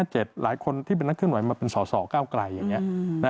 หลายคนที่เป็นนักเคลื่อนไหวมาเป็นสอสอก้าวไกลอย่างนี้